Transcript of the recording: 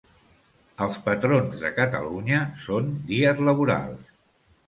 Els patrons de Catalunya són dies laborals.